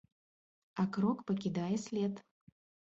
А крок пакідае след.